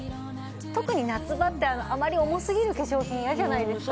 特に夏場ってあまり重すぎる化粧品嫌じゃないですか